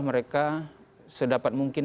mereka sedapat mungkin